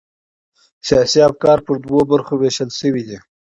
سیاسي افکار پر دوو برخو وېشل سوي دي.